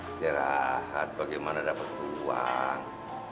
istirahat bagaimana dapat uang